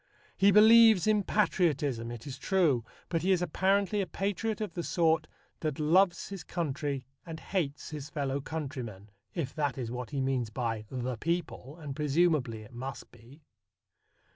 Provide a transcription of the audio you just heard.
He believes in patriotism, it is true, but he is apparently a patriot of the sort that loves his country and hates his fellow countrymen (if that is what he means by "the people," and presumably it must be).